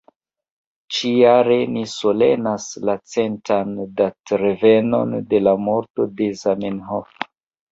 Ĉi-jare ni solenas la centan datrevenon de la morto de Zamenhof.